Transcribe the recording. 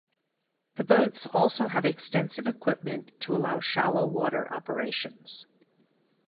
The boats also have extensive equipment to allow shallow water operations.